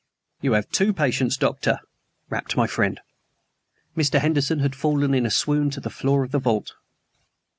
"You have two patients, Doctor," rapped my friend. Mr. Henderson had fallen in a swoon to the floor of the vault.